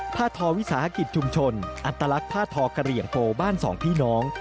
ทอวิสาหกิจชุมชนอัตลักษณ์ผ้าทอกระเหลี่ยงโฟบ้านสองพี่น้อง